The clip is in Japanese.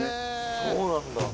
そうなんだ。